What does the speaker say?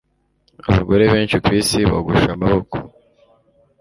Abagore benshi kwisi bogosha amaboko